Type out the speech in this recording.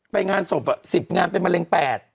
ไปงานศพ๑๐งานเป็นมะเร็ง๘